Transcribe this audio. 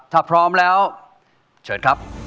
ถ้าพร้อมแล้วเชิญครับ